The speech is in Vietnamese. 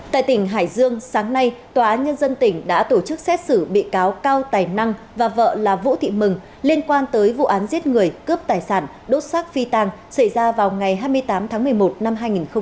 tại tỉnh hải dương sáng nay tòa án nhân dân tỉnh đã tổ chức xét xử bị cáo cao tài năng và vợ là vũ thị mừng liên quan tới vụ án giết người cướp tài sản đốt xác phi tàng xảy ra vào ngày hai mươi tám tháng một mươi một năm hai nghìn một mươi chín